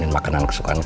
hanya reminds saya unik